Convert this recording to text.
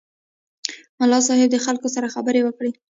ملا صیب د خلکو سره خبرې وکړې.